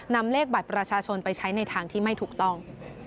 นำเลขบัตรประชาชนไปใช้ในทางที่ไม่ถูกต้อง